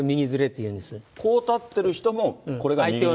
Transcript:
こう立ってる人も、これが。